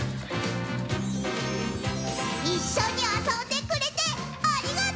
いっしょにあそんでくれてありがとう。